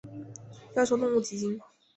亚洲动物基金。